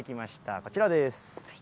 こちらです。